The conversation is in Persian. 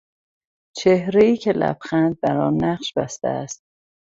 چهرهای که لبخند برآن نقش بسته است